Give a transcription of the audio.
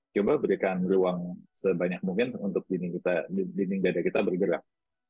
coba berikan ruang sebanyak mungkin untuk dinding dada kita bergerak